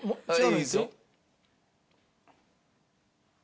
いいですよ。